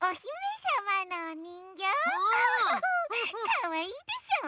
かわいいでしょう？